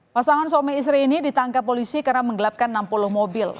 pasangan suami istri ini ditangkap polisi karena menggelapkan enam puluh mobil